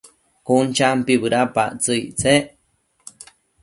Cun champi bëdapactsëc ictsec